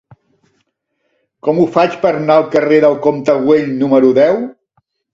Com ho faig per anar al carrer del Comte de Güell número deu?